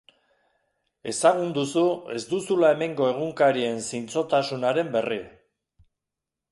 Ezagun duzu ez duzula hemengo egunkarien zintzotasunaren berri.